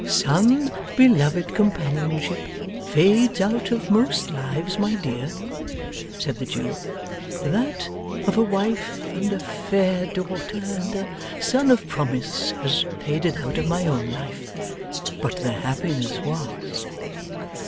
'Some beloved companionship fades out of most lives, my dear,' said the Jew, 'that of a wife, and a fair daughter, and a son of promise, has faded out of my own life but the happiness was.